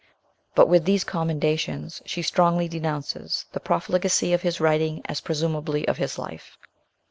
But with these commendations she strongly denounces the profligacy of his writing as presumably of his life.